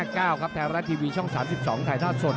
๕๙ครับแทนรัดทีวีช่อง๓๒ถ่ายท่าสด